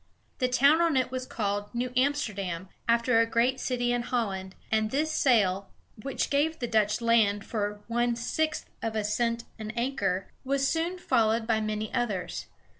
The town on it was called New Amsterdam, after a great city in Holland, and this sale, which gave the Dutch land for one sixth of a cent an acre, was soon followed by many others.